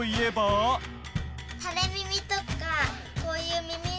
こういう耳。